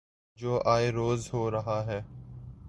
جو آئے روز ہو رہا ہے۔